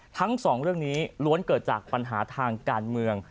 ทั้งสองเรื่องนี้ล้วนเกิดจากปัญหาทางการเมือง